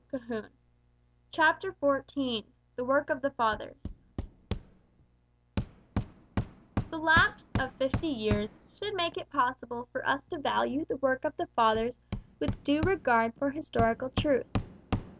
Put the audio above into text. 150. CHAPTER XIV THE WORK OF THE FATHERS The lapse of fifty years should make it possible for us to value the work of the Fathers with due regard for historical truth.